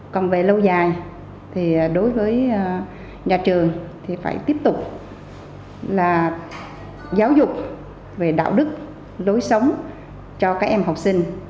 còn về lâu dài thì đối với nhà trường thì phải tiếp tục là giáo dục về đạo đức lối sống cho các em học sinh